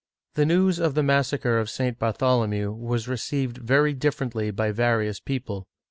The news of the massacre of St. Bartholomew was received very differently by various people.